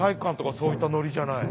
そういったノリじゃない。